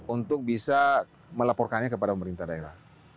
untuk bisa melaporkannya kepada pemerintah daerah